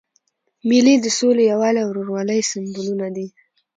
مېلې د سولي، یووالي او ورورولۍ سېمبولونه دي.